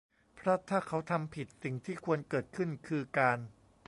เพราะถ้าเขาทำผิด สิ่งที่ควรเกิดขึ้นคือการ